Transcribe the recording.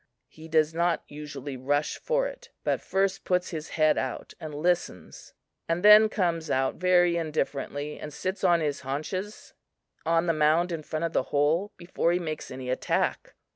He does not usually rush for it, but first puts his head out and listens and then comes out very indifferently and sits on his haunches on the mound in front of the hole before he makes any attack.